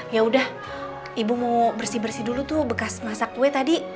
ya udah ibu mau bersih bersih dulu tuh bekas masak kue tadi